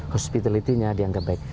hospitality nya dianggap baik